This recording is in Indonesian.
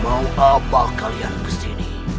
mau apa kalian kesini